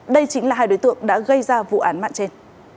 đây chính là hai đối tượng đã gây ra vụ án mạng trên